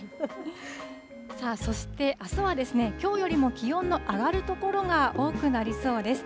そして、あすはきょうよりも気温の上がる所が多くなりそうです。